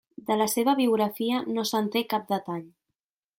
De la seva biografia no se'n té cap detall.